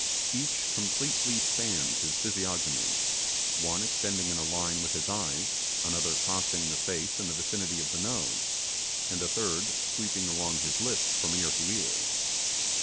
Each completely spanned his physiognomy; one extending in a line with his eyes, another crossing the face in the vicinity of the nose, and the third sweeping along his lips from ear to ear.